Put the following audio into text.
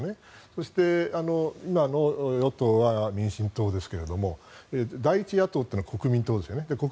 そして、今の与党は民進党ですけども第１野党というのは国民党ですよね。